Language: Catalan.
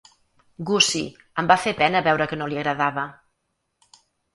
Gussie, em va fer pena veure que no li agradava.